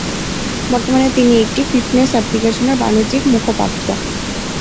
বর্তমানে তিনি একটি ফিটনেস অ্যাপ্লিকেশনের বাণিজ্যিক মুখপাত্র।